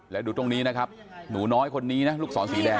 แล้วดูตรงนี้นะครับหนูน้อยคนนี้นะลูกศรสีแดง